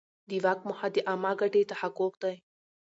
د واک موخه د عامه ګټې تحقق دی.